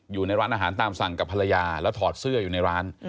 อยู่ในร้านอาหารตามสั่งกับภรรยาแล้วถอดเสื้ออยู่ในร้าน